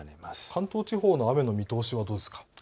関東地方の雨の見通しはどうですか。